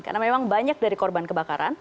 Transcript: karena memang banyak dari korban kebakaran